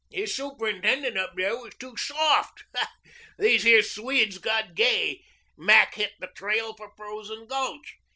His superintendent up there was too soft. These here Swedes got gay. Mac hit the trail for Frozen Gulch.